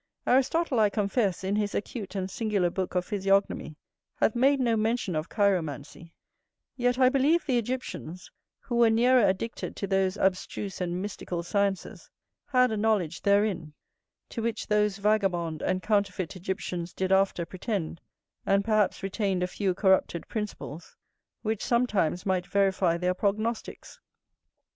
Aristotle, I confess, in his acute and singular book of physiognomy, hath made no mention of chiromancy: yet I believe the Egyptians, who were nearer addicted to those abstruse and mystical sciences, had a knowledge therein: to which those vagabond and counterfeit Egyptians did after pretend, and perhaps retained a few corrupted principles, which sometimes might verify their prognosticks.